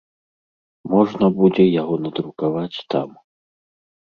Можна будзе яго надрукаваць там.